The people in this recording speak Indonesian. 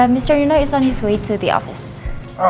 mr nuno sedang berjalan ke pejabat